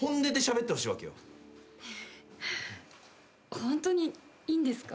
ホントにいいんですか？